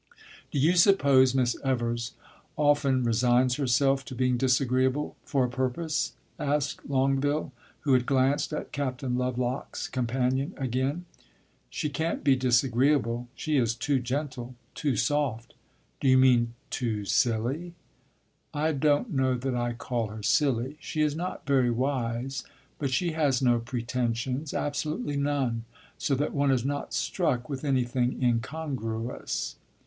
"Do you suppose Miss Evers often resigns herself to being disagreeable for a purpose?" asked Longueville, who had glanced at Captain Lovelock's companion again. "She can't be disagreeable; she is too gentle, too soft." "Do you mean too silly?" "I don't know that I call her silly. She is not very wise; but she has no pretensions absolutely none so that one is not struck with anything incongruous."